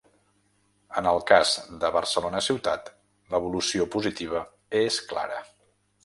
En el cas de Barcelona ciutat, l’evolució positiva és clara.